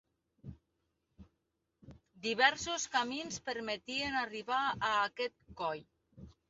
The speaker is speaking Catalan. Diversos camins permetien arribar a aquest coll.